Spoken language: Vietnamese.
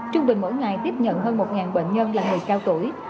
trung bình mỗi ngày tiếp nhận hơn một bệnh nhân là người cao tuổi